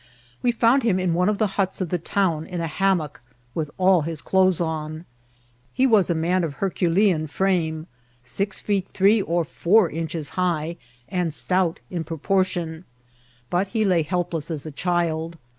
We found him in one of the huts of the town, in a hammock, with all his clothes on. He was a man of Herculean frame, six feet three or four inches high, and stout in propor tion ; but he lay helpless as a child.